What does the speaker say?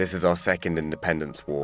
ini adalah perang independensi kedua kita